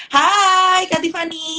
hai kak tiffany